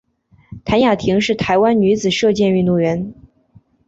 谭雅婷是台湾女子射箭运动员。